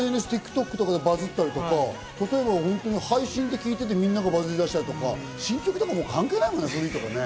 ＳＮＳやＴｉｋＴｏｋでバズったりとか、配信で聞いていて、みんなでバズり出したりとか、新曲とかもう関係ないもんね。